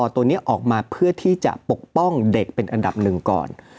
ตัวนี้ออกมาเพื่อที่จะปกป้องเด็กเป็นอันดับหนึ่งก่อน